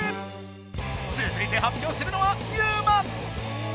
つづいて発表するのはユウマ！